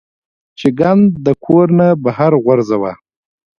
چې ګند د کور نه بهر غورځوه -